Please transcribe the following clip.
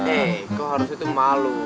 eh kau harus itu malu